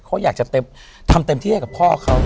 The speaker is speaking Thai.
เขาอยากจะทำเต็มที่ให้กับพ่อเขา